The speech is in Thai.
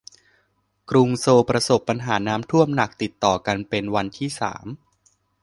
กรุงโซลประสบปัญหาน้ำท่วมหนักติดต่อกันเป็นวันที่สาม